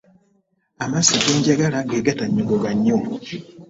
Amazzi ge njagala ge gatannyogoga nnyo.